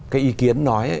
cái ý kiến nói